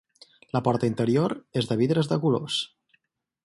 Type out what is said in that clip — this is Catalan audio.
La porta interior és de vidres de colors.